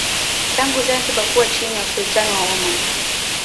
tangu Zanzibar kuwa chini ya Usultani wa Oman